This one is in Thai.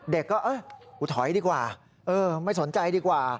เด็กก็เออถอยดีกว่าไม่สนใจดีกว่า